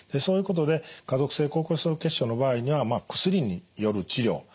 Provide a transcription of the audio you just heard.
そういうことで家族性高コレステロール血症の場合には薬による治療